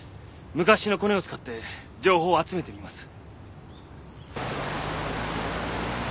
昔のコネを使って情報を集めてみます。